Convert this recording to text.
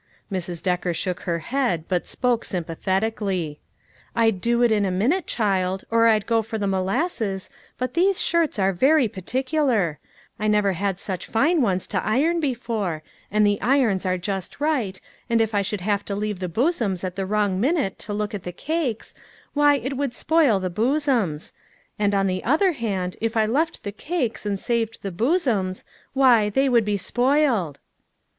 Mrs. Decker shook her head, but spoke sympa thetically :" I'd do it in a minute, child, or I'd go for the molasses, but these shirts are very particular; I never had such fine ones to iron before, and the irons are just right, and if I should have to leave the bosoms at the wrong minute to look at the cakes, why, it would spoil the bosoms; and on the other hand, if I left the cakes and saved the bosoms, why, they would be spoiled."